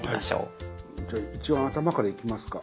じゃあ一番頭からいきますか。